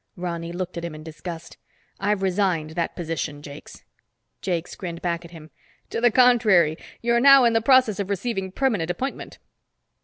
Ronny looked at him in disgust. "I've resigned that position, Jakes." Jakes grinned back at him. "To the contrary, you're now in the process of receiving permanent appointment."